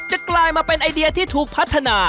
กลายมาเป็นไอเดียที่ถูกพัฒนา